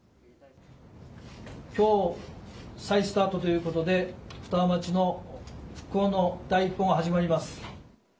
きょう再スタートということで、双葉町の復興の第一歩が始まります。